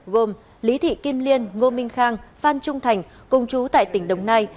gồm lý thị kim liên ngô minh khang phan phan trung thành công chú tại tỉnh đồng nai